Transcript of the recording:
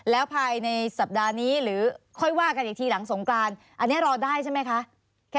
แล้วภายในสัปดาห์นี้หรือค่อยว่ากันอีกทีหลังสงกรานอันนี้รอได้ใช่ไหมคะ